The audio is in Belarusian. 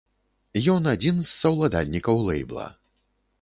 Ён адзін з саўладальнікаў лэйбла.